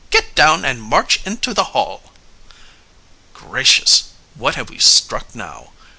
"Get down and march into the Hall." "Gracious, what have we struck now?"